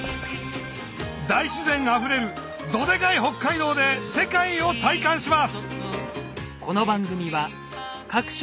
大自然あふれるどでかい北海道で世界を体感します！